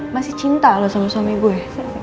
masih cinta loh sama suami gue